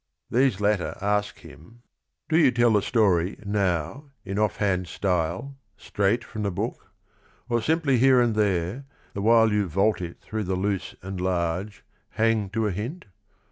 These latter ask him METHOD AND THE SPIRIT 21 " 'Do you tell the story, now, in offhand style, Straight from the book? Or simply here and there, (The while you vault it through the loose and large) Hang to a hint?